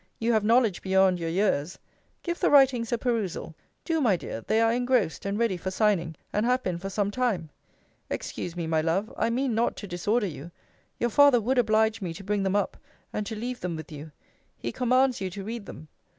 You have knowledge beyond your years give the writings a perusal: do, my dear: they are engrossed, and ready for signing, and have been for some time. Excuse me, my love I mean not to disorder you: your father would oblige me to bring them up, and to leave them with you. He commands you to read them.